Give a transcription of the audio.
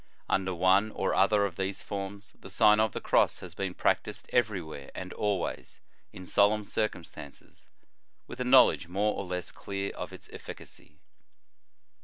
Under one or other of these forms, the Sign of the Cross has been practised every where and always, in solemn circumstances, with a knowledge more or less clear of its efficacy.